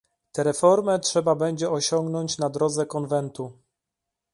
Tę reformę trzeba będzie osiągnąć na drodze konwentu